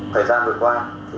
thời gian vừa qua